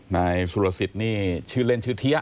นายสุรสิทธิ์นี่ชื่อเล่นชื่อเทีย